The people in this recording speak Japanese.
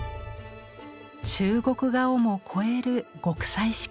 「中国画をも超える極彩色世界を」。